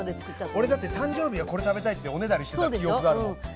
俺だって誕生日はこれ食べたいっておねだりしてた記憶があるもん。